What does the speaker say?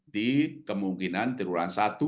di kemungkinan tiwulan satu